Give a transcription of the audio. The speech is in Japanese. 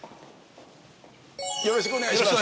よろしくお願いします。